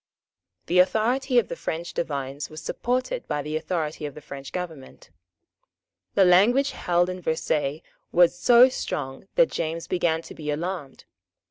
The authority of the French divines was supported by the authority of the French government. The language held at Versailles was so strong that James began to be alarmed.